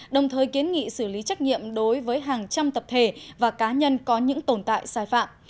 đồng thời kiến nghị xử lý trách nhiệm đối với hàng trăm tập thể và cá nhân có những tồn tại sai phạm